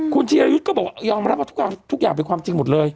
คุณธีรยุทธ์ก็บอกว่ายอมรับว่าทุกอย่างเป็นความจริงหมดเลย